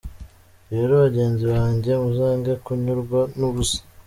Rero, bagenzi banjye, muzange kunyurwa n’ubusa.